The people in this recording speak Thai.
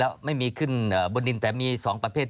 ประมาณล่างกว่า